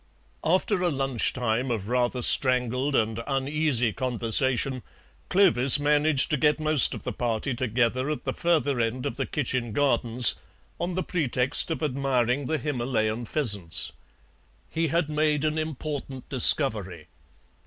After a lunch time of rather strangled and uneasy conversation, Clovis managed to get most of the party together at the further end of the kitchen gardens, on the pretext of admiring the Himalayan pheasants. He had made an important discovery.